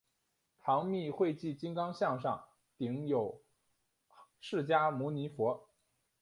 唐密秽迹金刚像上顶有释迦牟尼佛。